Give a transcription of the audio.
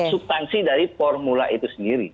subtansi dari formula itu sendiri